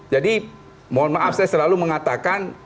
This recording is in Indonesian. mohon maaf saya selalu mengatakan